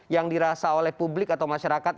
yang dirasa oleh publik atau masyarakat